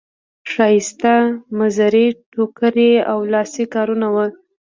ښایسته مزري ټوکري او لاسي کارونه وو.